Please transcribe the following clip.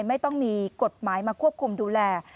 ไม่ต้องมีกฎหมายมาควบคุมดูแล